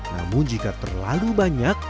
namun jika terlalu banyak